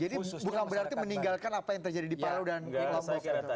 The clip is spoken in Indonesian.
jadi bukan berarti meninggalkan apa yang terjadi di palau dan lombok